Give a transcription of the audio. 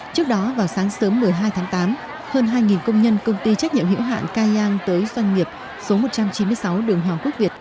trước đó vào sáng sớm một mươi hai tháng tám hơn hai công nhân công ty trách nhiệm hữu hạn cai giang tới doanh nghiệp số một trăm chín mươi sáu đường hoàng quốc việt